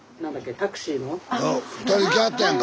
スタジオ２人来はったやんか！